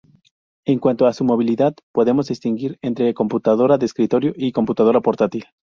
En cuanto a su movilidad podemos distinguir entre computadora de escritorio y computadora portátil.